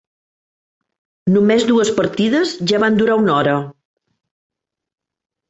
Només dues partides ja van durar una hora.